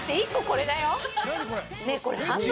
これ。